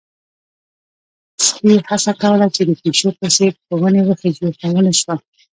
سپی هڅه کوله چې د پيشو په څېر په ونې وخيژي، خو ونه شول.